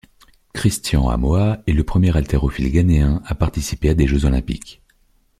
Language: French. Christian Amoah est le premier haltérophile ghanéen à participer à des Jeux olympiques.